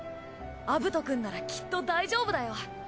アブトくんならきっと大丈夫だよ。